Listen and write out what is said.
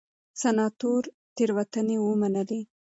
سناتور تېروتنې ومنلې.